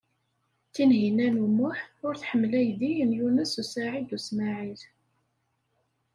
Tinhinan u Muḥ ur tḥemmel aydi n Yunes u Saɛid u Smaɛil.